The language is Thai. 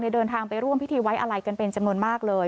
เดินทางไปร่วมพิธีไว้อะไรกันเป็นจำนวนมากเลย